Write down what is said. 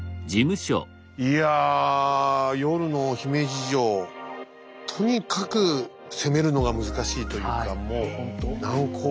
いや夜の姫路城とにかく攻めるのが難しいというかもうほんと難攻不落という感じ。